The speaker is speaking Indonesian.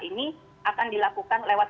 ini akan dilakukan lewat